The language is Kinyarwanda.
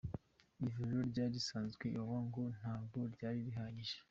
Ivuriro ryari risanzwe Iwawa ngo ntabwo ryari rihagije.